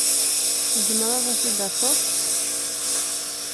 Tzemreḍ ad t-id-tafeḍ?